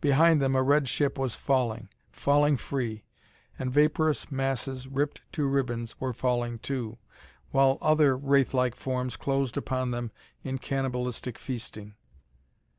Behind them a red ship was falling falling free! And vaporous masses, ripped to ribbons, were falling, too, while other wraith like forms closed upon them in cannibalistic feasting.